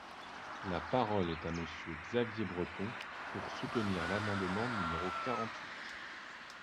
La parole est à Monsieur Xavier Breton, pour soutenir l’amendement numéro quarante-huit.